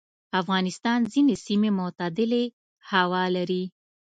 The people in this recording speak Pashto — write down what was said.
افغانستان ځینې سیمې معتدلې هوا لري.